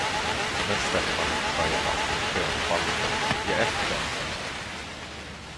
Men Stefanie, sade Eva bönfallande, ge efter, är du snäll!